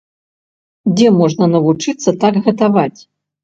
Дзе можна навучыцца так гатаваць?